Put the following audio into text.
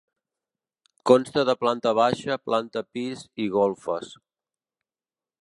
Consta de planta baixa, planta pis i golfes.